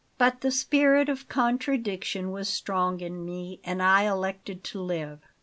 But the spirit of contradiction was strong in me and I elected to live.